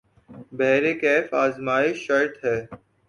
بہرکیف آزمائش شرط ہے ۔